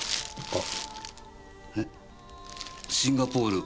あっ！